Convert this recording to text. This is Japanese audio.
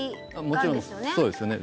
もちろんそうですよね